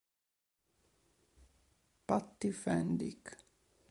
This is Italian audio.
Patty Fendick